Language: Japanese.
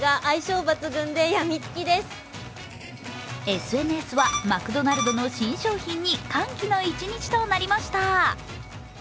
ＳＮＳは、マクドナルドの新商品に歓喜の一日となりました。